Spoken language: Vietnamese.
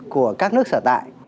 của các nước sở tại